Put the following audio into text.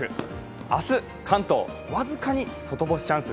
明日、関東、僅かに外干しチャンス。